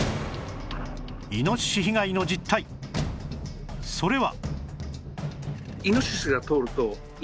イノシシ被害の実態それは